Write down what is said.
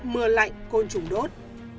mưa lạnh côn trùng đốt